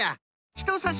ひとさし